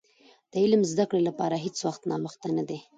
د علم زدي کړي لپاره هيڅ وخت ناوخته نه دي .